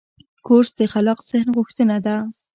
کورس د خلاق ذهن غوښتنه ده.